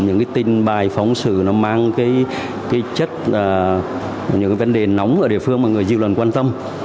những cái tin bài phóng sự nó mang cái chất những cái vấn đề nóng ở địa phương mà người dư luận quan tâm